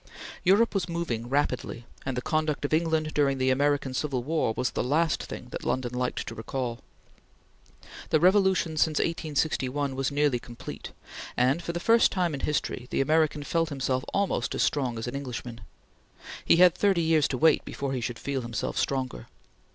Europe was moving rapidly, and the conduct of England during the American Civil War was the last thing that London liked to recall. The revolution since 1861 was nearly complete, and, for the first time in history, the American felt himself almost as strong as an Englishman. He had thirty years to wait before he should feel himself stronger.